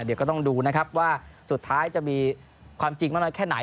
เดี๋ยวก็ต้องดูนะครับว่าสุดท้ายจะมีความจริงมากน้อยแค่ไหน